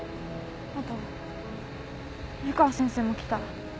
あと湯川先生も来た。